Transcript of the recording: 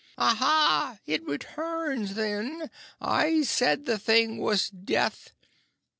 "Ah ha! It returns, then. I said the thing was Death.